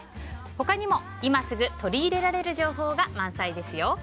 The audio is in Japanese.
他にも、今すぐ取り入れられる情報が満載です。